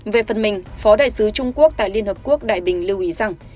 về phần mình phó đại sứ trung quốc tại liên hợp quốc đại bình lưu ý rằng